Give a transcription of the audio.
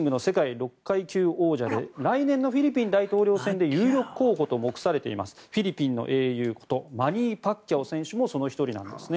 ６階級王者で来年のフィリピン大統領選で有力候補と目されていますフィリピンの英雄ことマニー・パッキャオ選手もその１人なんですね。